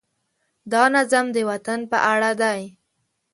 دا نظم د وطن په اړه دی.